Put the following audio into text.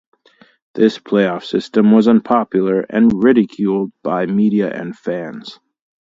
This playoff system was unpopular and ridiculed by media and fans.